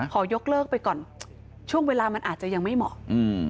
ขอยกเลิกไปก่อนช่วงเวลามันอาจจะยังไม่เหมาะ